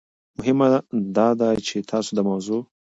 مهم داده چې تاسو د موضوع